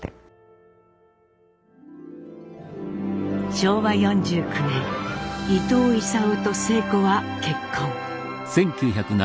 昭和４９年伊藤勲と晴子は結婚。